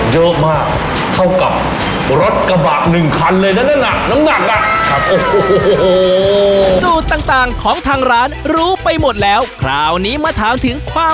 เยอะมากเท่ากับรถกระบะหนึ่งคันเลยนะนั่นน่ะน้ำหนักอ่ะ